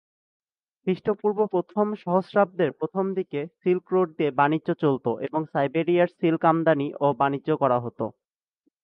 খ্রিস্টপূর্ব প্রথম সহস্রাব্দের প্রথমদিকে সিল্ক রোড দিয়ে বাণিজ্য চলত এবং সাইবেরিয়ায় সিল্ক আমদানি ও বাণিজ্য করা হত।